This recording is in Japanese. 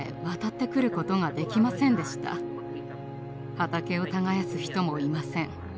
畑を耕す人もいません。